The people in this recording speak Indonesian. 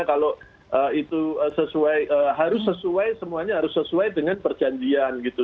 kalau itu harus sesuai semuanya harus sesuai dengan perjanjian gitu